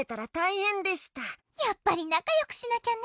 やっぱりなかよくしなきゃね！